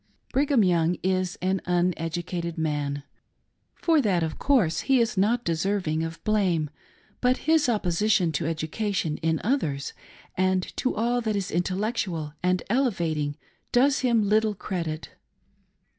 Brigham Young is an uneducated man. For that, of course, he is not deserving of blame, but his opposition to education in others and to all that is intellectual and elevating does him little credit.